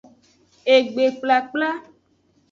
Egbekplakpla.